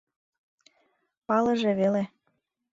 Палыже веле.